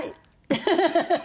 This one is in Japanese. ハハハハ！